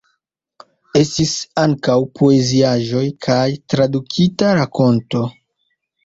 Estis ankaŭ poeziaĵoj kaj tradukita rakonto.